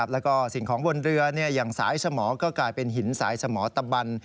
แล้วก็สิ่งของบนเรืออย่างสายสมอก็กลายเป็นหินสายสมอตะบัน